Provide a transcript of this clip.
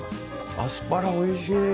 アスパラおいしい！